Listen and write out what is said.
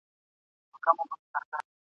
له پسه چي پیدا کیږي تل پسه وي !.